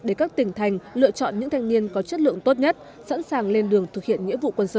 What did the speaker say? để các tỉnh thành lựa chọn những thanh niên có chất lượng tốt nhất sẵn sàng lên đường thực hiện nghĩa vụ quân sự